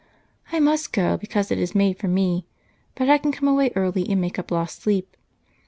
"I must go, because it is made for me, but I can come away early and make up lost sleep.